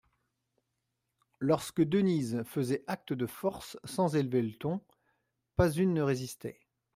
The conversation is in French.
Lorsque Denise faisait acte de force, sans élever le ton, pas une ne résistait.